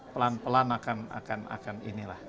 pelan pelan akan inilah